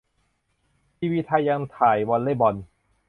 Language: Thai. ทีวีไทยยังถ่ายวอลเล่ย์บอล